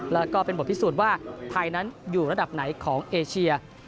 แล้วก็เป็นบทพิสูจน์ว่าไทยนั้นอยู่ระดับไหนของเอเชีย